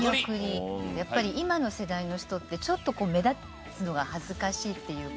やっぱり今の世代の人ってちょっとこう目立つのが恥ずかしいっていうか。